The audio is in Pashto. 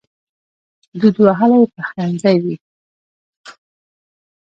دود وهلی پخلنځی وي